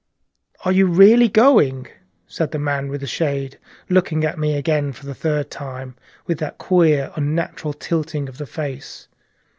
"And you are really going?" said the man with the shade, looking at me again for the third time with that queer, unnatural tilting of the face.